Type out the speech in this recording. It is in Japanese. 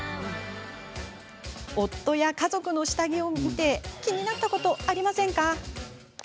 夫や家族の下着を見て気になったことありませんか？